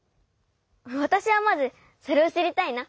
わたしはまずそれをしりたいな。